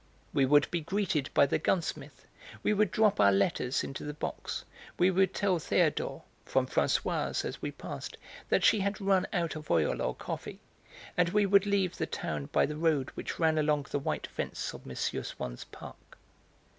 We would be greeted by the gunsmith, we would drop our letters into the box, we would tell Théodore, from Françoise, as we passed, that she had run out of oil or coffee, and we would leave the town by the road which ran along the white fence of M. Swann's park.